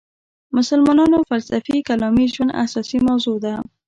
مسلمانانو فلسفي کلامي ژوند اساسي موضوع ده.